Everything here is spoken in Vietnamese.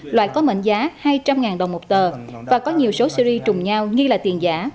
loại có mệnh giá hai trăm linh đồng một tờ và có nhiều số series trùng nhau nghi là tiền giả